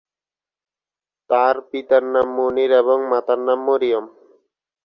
তার পিতার নাম মুনির এবং মাতার নাম মরিয়ম।